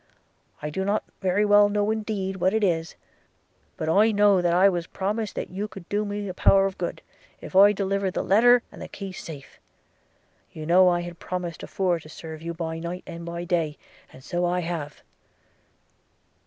– I do not very well know, indeed, what it is; but I know that I was promised that you could do me a power of good, if I delivered the letter and the keys safe. – You know I had promised afore to serve you by night and by day, and so I have.'